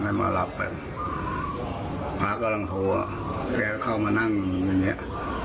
ให้มารับกันพระกำลังโทรแกก็เข้ามานั่งอย่างเงี้ย